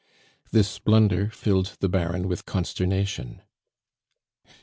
This blunder filled the Baron with consternation.